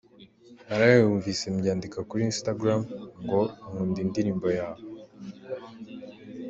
Narayumvise mbyandika kuri “Instagram” ngo nkunda indirimbo yawe.